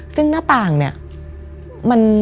ซึ่งหน้าต่างเนี่ย